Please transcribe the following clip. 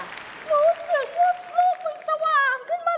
รู้สึกว่า